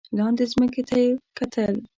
لاندې ځمکې ته یې کتل.